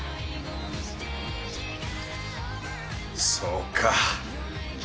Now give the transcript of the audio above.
そうか。